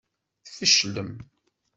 Tfeclem.